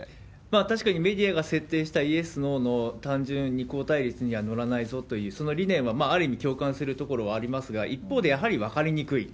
確かにメディアが設定したイエス、ノーの単純に項対立には乗らないぞという、その理念はある意味、共感するところはありますが、一方で、やはり分かりにくい。